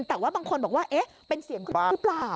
แต่ว่าบางคนบอกว่าเอ๊ะเป็นเสียงขึ้นมาหรือเปล่า